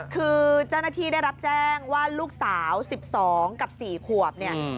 คือเจ้าหน้าที่ได้รับแจ้งว่าลูกสาว๑๒กับ๔ขวบเนี่ย